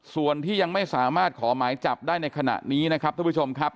ส่วนที่ยังไม่สามารถขอหมายจับได้ในขณะนี้นะครับท่านผู้ชมครับ